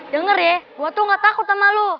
dengar ya gue tuh gak takut sama lu